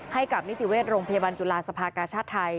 ให้กับนิติเวชโรงพยาบาลจุฬาสภากาชาติไทย